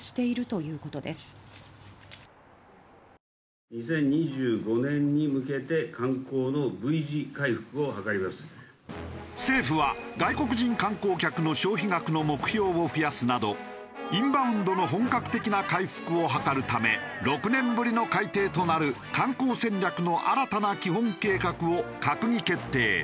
男性は車内に親族の女性２人を残し立ち去っていて政府は外国人観光客の消費額の目標を増やすなどインバウンドの本格的な回復を図るため６年ぶりの改定となる観光戦略の新たな基本計画を閣議決定。